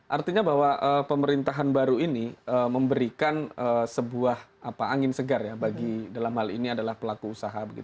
artinya bahwa pemerintahan baru ini memberikan sebuah angin segar ya bagi dalam hal ini adalah pelaku usaha